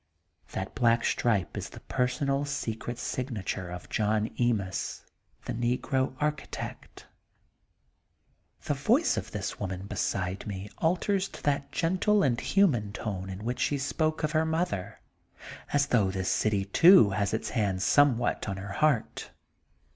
That black stripe is the personal secret signature of John Emis, the negro architect. '' The voice of this woman beside me alters to that gentle and human tone in which she spoke of her mother, as though this city, too> has its hand somewhat on her heart.